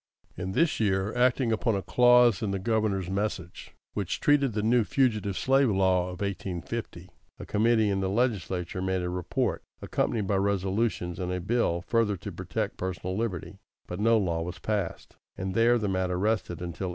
In this year, acting upon a clause in the Governor's message, which treated of the new Fugitive Slave Law of 1850, a committee in the legislature made a report, accompanied by resolutions and a bill further to protect personal liberty; but no law was passed, and there the matter rested until 1855.